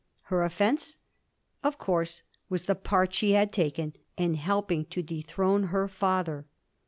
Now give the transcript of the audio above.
Her offence, of course, was the part she had taken in helping to dethrone her father.